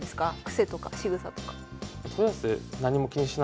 癖とかしぐさとか。